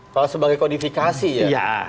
kalau sebagai kodifikasi ya